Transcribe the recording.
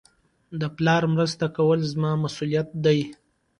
د پلار مرسته کول زما مسئولیت دئ.